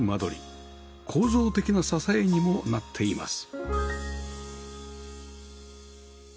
構造的な支えにもなっています